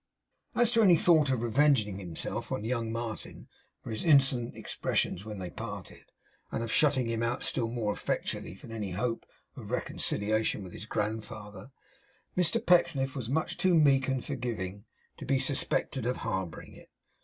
As to any thought of revenging himself on young Martin for his insolent expressions when they parted, and of shutting him out still more effectually from any hope of reconciliation with his grandfather, Mr Pecksniff was much too meek and forgiving to be suspected of harbouring it.